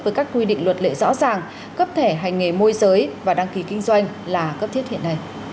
với các quy định luật lệ rõ ràng cấp thẻ hành nghề môi giới và đăng ký kinh doanh là cấp thiết hiện nay